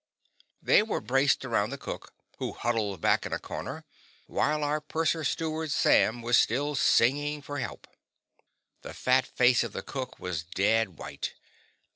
They were braced around the cook, who huddled back in a corner, while our purser steward, Sam, was still singing for help. The fat face of the cook was dead white.